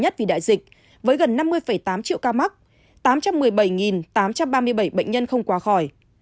nhất vì đại dịch với gần năm mươi tám triệu ca mắc tám trăm một mươi bảy tám trăm ba mươi bảy bệnh nhân không qua khỏi